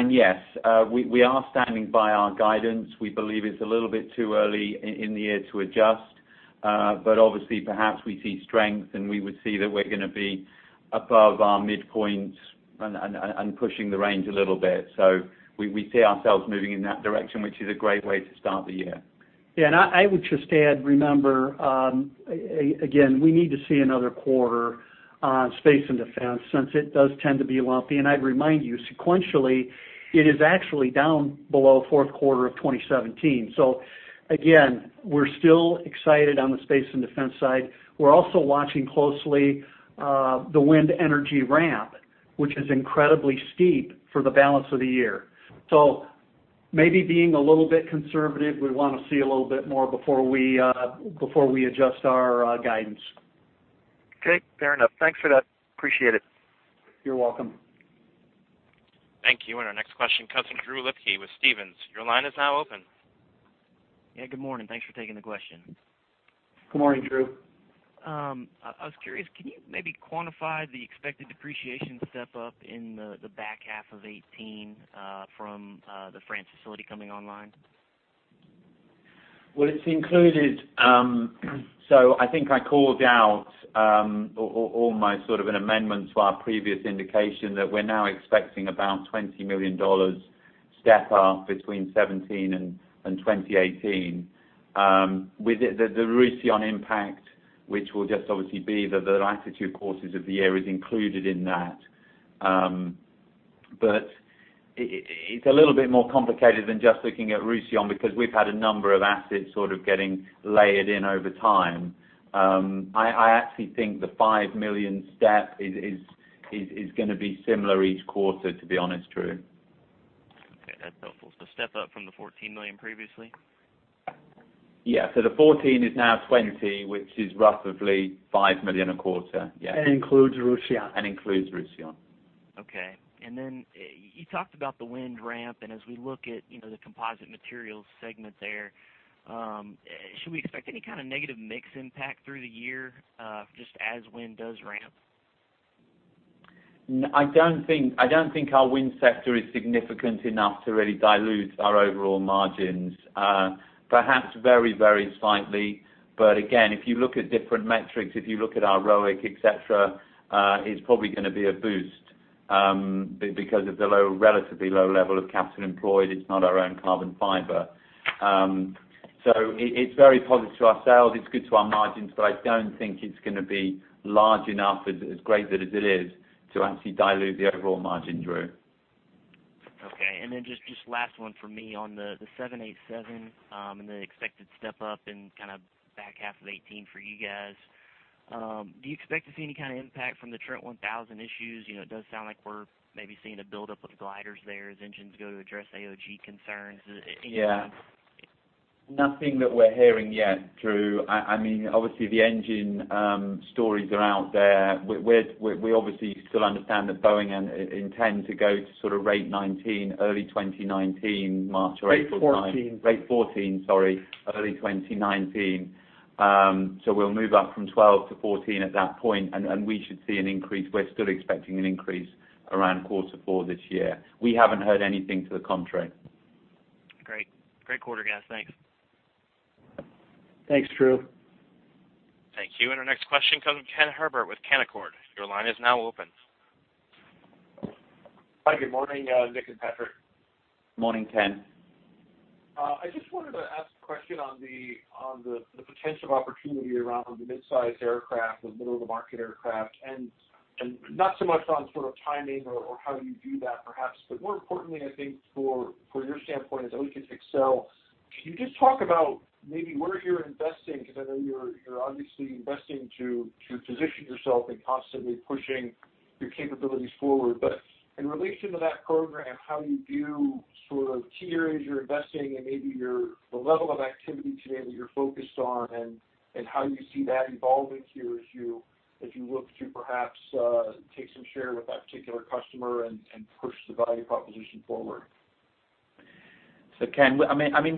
Yes, we are standing by our guidance. We believe it's a little bit too early in the year to adjust. Obviously, perhaps we see strength. We would see that we're going to be above our midpoints and pushing the range a little bit. We see ourselves moving in that direction, which is a great way to start the year. Yeah. I would just add, remember, again, we need to see another quarter on space and defense since it does tend to be lumpy. I'd remind you, sequentially, it is actually down below fourth quarter of 2017. Again, we're still excited on the space and defense side. We're also watching closely, the wind energy ramp, which is incredibly steep for the balance of the year. Maybe being a little bit conservative, we want to see a little bit more before we adjust our guidance. Okay, fair enough. Thanks for that. Appreciate it. You're welcome. Thank you. Our next question comes from Drew Lipke with Stephens. Your line is now open. Yeah, good morning. Thanks for taking the question. Good morning, Drew. I was curious, can you maybe quantify the expected depreciation step-up in the back half of 2018, from the France facility coming online? It's included. I think I called out, almost sort of an amendment to our previous indication that we're now expecting about $20 million step-up between 2017 and 2018. With the Roussillon impact, which will just obviously be the latter two quarters of the year, is included in that. It's a little bit more complicated than just looking at Roussillon because we've had a number of assets sort of getting layered in over time. I actually think the $5 million step is going to be similar each quarter, to be honest, Drew. Okay, that's helpful. Step up from the $14 million previously? Yeah. The 14 is now 20, which is roughly $5 million a quarter. Yeah. That includes Roussillon. That includes Roussillon. Okay. Then you talked about the wind ramp, and as we look at the Composite Materials segment there, should we expect any kind of negative mix impact through the year, just as wind does ramp? I don't think our wind sector is significant enough to really dilute our overall margins. Perhaps very, very slightly, but again, if you look at different metrics, if you look at our ROIC, et cetera, it's probably going to be a boost. Because of the relatively low level of capital employed, it's not our own carbon fiber. It's very positive to our sales, it's good to our margins, but I don't think it's going to be large enough, as great as it is, to actually dilute the overall margin, Drew. Okay. Then just last one for me on the 787 and the expected step-up in back half of 2018 for you guys. Do you expect to see any kind of impact from the Trent 1000 issues? It does sound like we're maybe seeing a build-up of gliders there as engines go to address AOG concerns. Yeah. Nothing that we're hearing yet, Drew. Obviously, the engine stories are out there. We obviously still understand that Boeing intends to go to rate 19 early 2019, March or April time. Rate 14. Rate 14, sorry, early 2019. We'll move up from 12 to 14 at that point, and we should see an increase. We're still expecting an increase around quarter four this year. We haven't heard anything to the contrary. Great. Great quarter, guys. Thanks. Thanks, Drew. Thank you. Our next question comes from Ken Herbert with Canaccord. Your line is now open. Hi. Good morning, Nick and Patrick. Morning, Ken. I just wanted to ask a question on the potential opportunity around the mid-size aircraft, the middle-of-the-market aircraft, and not so much on sort of timing or how you do that perhaps, but more importantly, I think, for your standpoint as Hexcel. Can you just talk about maybe where you're investing, because I know you're obviously investing to position yourself and constantly pushing your capabilities forward, but in relation to that program, how you view sort of key areas you're investing and maybe the level of activity today that you're focused on and how you see that evolving here as you look to perhaps take some share with that particular customer and push the value proposition forward? Ken,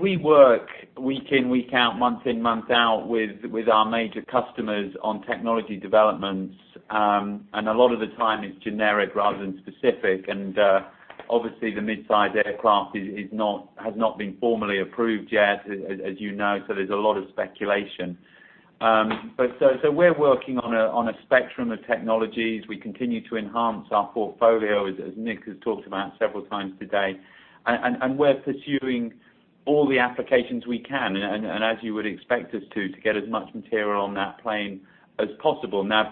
we work week in, week out, month in, month out with our major customers on technology developments. A lot of the time it's generic rather than specific. Obviously the mid-size aircraft has not been formally approved yet, as you know, so there's a lot of speculation. We're working on a spectrum of technologies. We continue to enhance our portfolio, as Nick has talked about several times today, and we're pursuing all the applications we can, and as you would expect us to get as much material on that plane as possible. Now,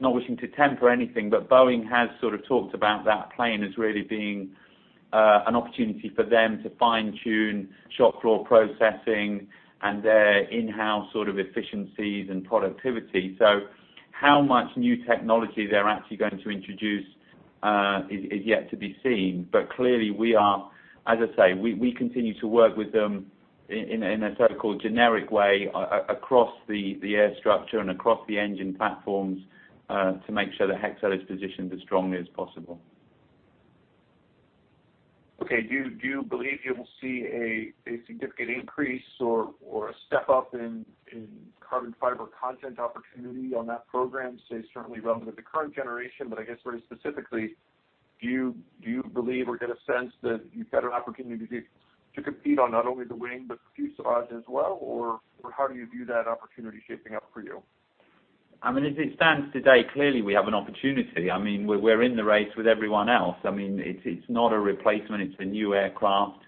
not wishing to temper anything, but Boeing has sort of talked about that plane as really being an opportunity for them to fine-tune shop floor processing and their in-house efficiencies and productivity. How much new technology they're actually going to introduce is yet to be seen. Clearly, as I say, we continue to work with them in a so-called generic way across the air structure and across the engine platforms to make sure that Hexcel is positioned as strongly as possible. Okay. Do you believe you will see a significant increase or a step-up in carbon fiber content opportunity on that program? You certainly run with the current generation, but I guess very specifically, do you believe or get a sense that you've got an opportunity to compete on not only the wing, but the fuselage as well, or how do you view that opportunity shaping up for you? As it stands today, clearly we have an opportunity. We're in the race with everyone else. It's not a replacement, it's a new aircraft.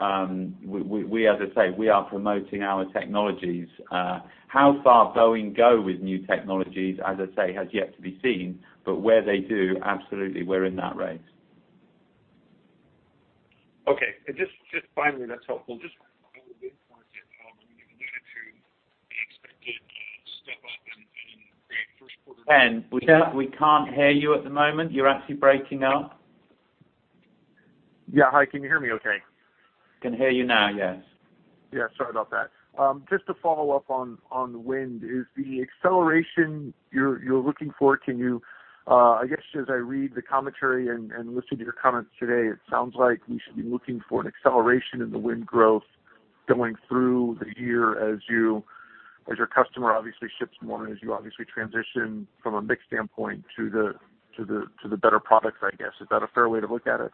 As I say, we are promoting our technologies. How far Boeing go with new technologies, as I say, has yet to be seen, but where they do, absolutely, we're in that race. Okay. Just finally, that's helpful. Just in the market related to the expected step-up in first quarter- Ken, we can't hear you at the moment. You're actually breaking up. Yeah. Hi, can you hear me okay? Can hear you now, yes. Yeah, sorry about that. Just to follow up on wind. Is the acceleration you're looking for, I guess, as I read the commentary and listen to your comments today, it sounds like we should be looking for an acceleration in the wind growth going through the year as your customer obviously ships more, and as you obviously transition from a mix standpoint to the better products, I guess. Is that a fair way to look at it?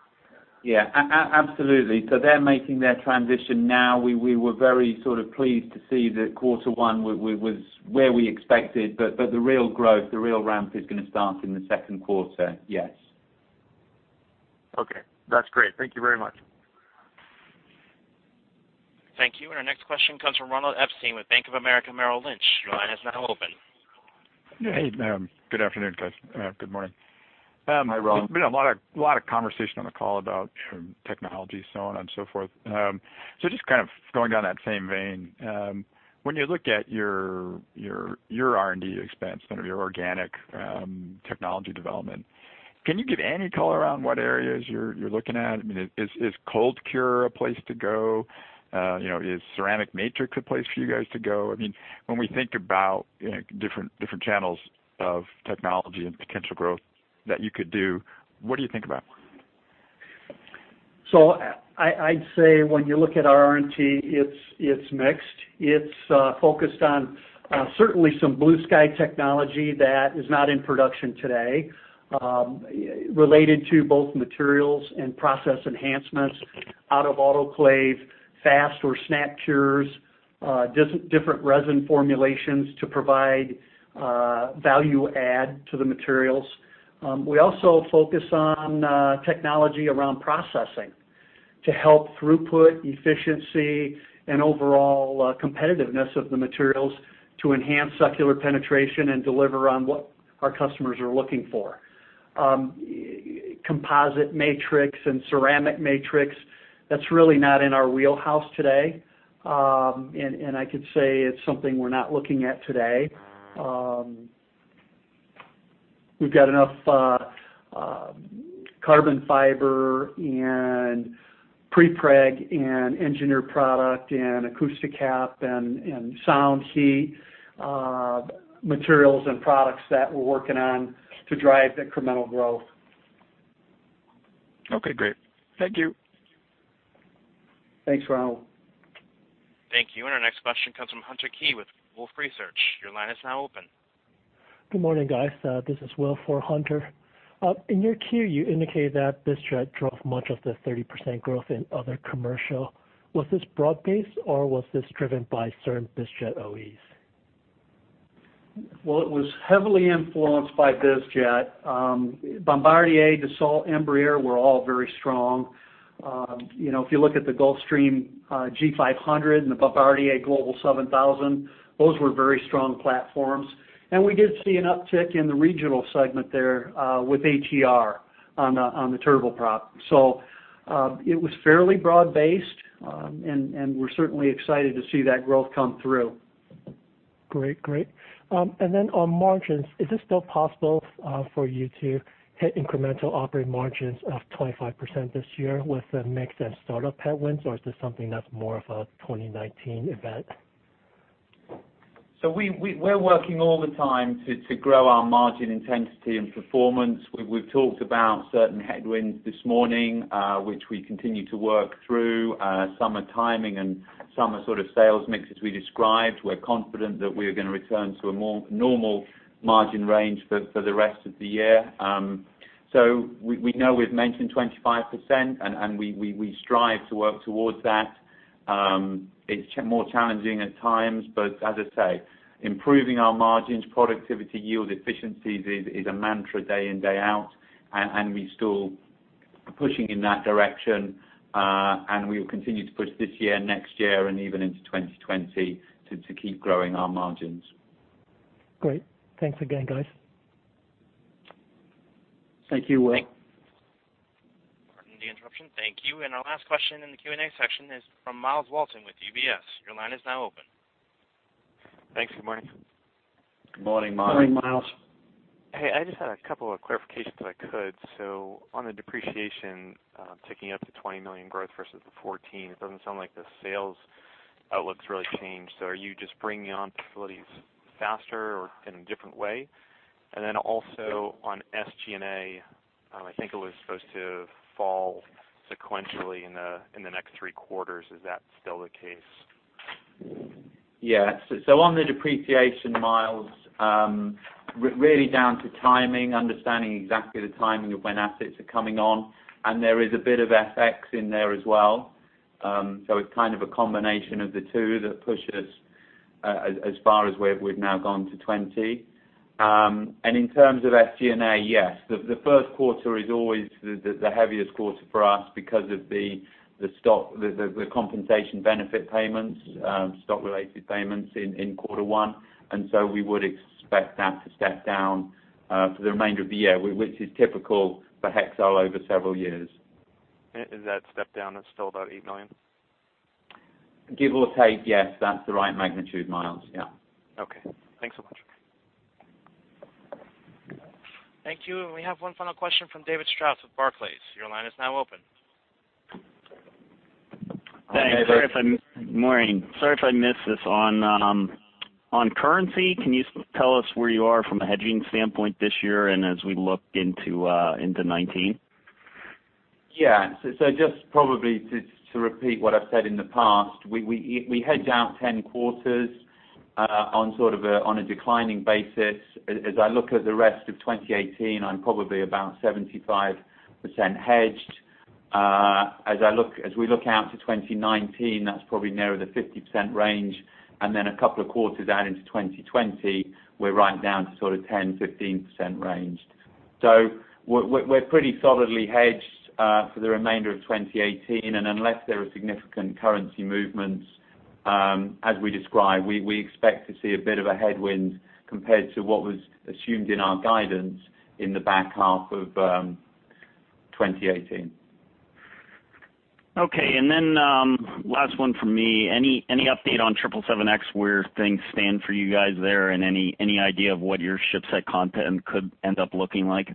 Yeah, absolutely. They're making their transition now. We were very pleased to see that quarter one was where we expected, the real growth, the real ramp is going to start in the second quarter. Yes. Okay. That's great. Thank you very much. Thank you. Our next question comes from Ronald Epstein with Bank of America Merrill Lynch. Your line is now open. Hey. Good afternoon, guys. Good morning. Hi, Ron. There's been a lot of conversation on the call about technology, so on and so forth. Just kind of going down that same vein, when you look at your R&D expense, your organic technology development, can you give any color around what areas you're looking at? Is cold cure a place to go? Is ceramic matrix a place for you guys to go? When we think about different channels of technology and potential growth that you could do, what do you think about? I'd say when you look at our R&T, it's mixed. It's focused on certainly some blue sky technology that is not in production today, related to both materials and process enhancements out of autoclave, fast or snap cures. Different resin formulations to provide value add to the materials. We also focus on technology around processing to help throughput efficiency and overall competitiveness of the materials to enhance secular penetration and deliver on what our customers are looking for. Composite matrix and ceramic matrix, that's really not in our wheelhouse today. I could say it's something we're not looking at today. We've got enough carbon fiber and prepreg and engineered product and Acousti-Cap and sound heat materials and products that we're working on to drive incremental growth. Okay, great. Thank you. Thanks, Ronald. Thank you. Our next question comes from Hunter Keay with Wolfe Research. Your line is now open. Good morning, guys. This is Will for Hunter. In your queue, you indicated that bizjet drove much of the 30% growth in other commercial. Was this broad-based, or was this driven by certain bizjet OEs? Well, it was heavily influenced by bizjet. Bombardier, Dassault, Embraer were all very strong. If you look at the Gulfstream G500 and the Bombardier Global 7000, those were very strong platforms. We did see an uptick in the regional segment there, with ATR on the turboprop. It was fairly broad-based, and we're certainly excited to see that growth come through. Great. On margins, is it still possible for you to hit incremental operating margins of 25% this year with the mix and startup headwinds, or is this something that's more of a 2019 event? We're working all the time to grow our margin intensity and performance. We've talked about certain headwinds this morning, which we continue to work through, some are timing and some are sort of sales mixes we described. We're confident that we are going to return to a more normal margin range for the rest of the year. We know we've mentioned 25%, and we strive to work towards that. It's more challenging at times, but as I say, improving our margins, productivity, yield efficiencies is a mantra day in, day out, and we're still pushing in that direction. We will continue to push this year, next year, and even into 2020 to keep growing our margins. Great. Thanks again, guys. Thank you, Will. Pardon the interruption. Thank you. Our last question in the Q&A section is from Myles Walton with UBS. Your line is now open. Thanks. Good morning. Good morning, Myles. Morning, Myles. Hey, I just had a couple of clarifications, if I could. On the depreciation, ticking up to $20 million growth versus the $14, it doesn't sound like the sales outlook's really changed. Are you just bringing on facilities faster or in a different way? Also on SG&A, I think it was supposed to fall sequentially in the next three quarters. Is that still the case? On the depreciation, Myles, really down to timing, understanding exactly the timing of when assets are coming on, and there is a bit of FX in there as well. It's kind of a combination of the two that pushes as far as we've now gone to 20. In terms of SG&A, yes, the first quarter is always the heaviest quarter for us because of the compensation benefit payments, stock related payments in Quarter One. We would expect that to step down for the remainder of the year, which is typical for Hexcel over several years. Is that step down is still about $8 million? Give or take, yes. That's the right magnitude, Myles. Okay. Thanks so much. Thank you. We have one final question from David Strauss with Barclays. Your line is now open. Hi, David. Morning. Sorry if I missed this. On currency, can you tell us where you are from a hedging standpoint this year and as we look into 2019? Yeah. Just probably to repeat what I've said in the past, we hedge out 10 quarters on a declining basis. As I look at the rest of 2018, I'm probably about 75% hedged. As we look out to 2019, that's probably nearer the 50% range. Then a couple of quarters out into 2020, we're right down to sort of 10%-15% range. We're pretty solidly hedged for the remainder of 2018. Unless there are significant currency movements, as we described, we expect to see a bit of a headwind compared to what was assumed in our guidance in the back half of 2018. Okay. Then, last one from me. Any update on 777X, where things stand for you guys there, and any idea of what your ship set content could end up looking like?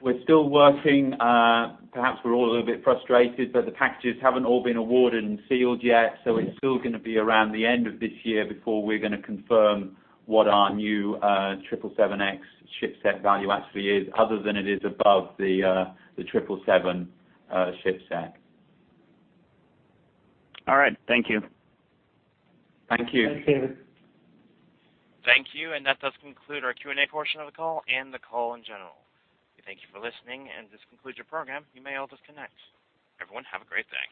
We're still working. Perhaps we're all a little bit frustrated, the packages haven't all been awarded and sealed yet, it's still going to be around the end of this year before we're going to confirm what our new 777X ship set value actually is, other than it is above the 777 ship set. All right. Thank you. Thank you. Thanks, David. Thank you. That does conclude our Q&A portion of the call and the call in general. We thank you for listening, and this concludes your program. You may all disconnect. Everyone, have a great day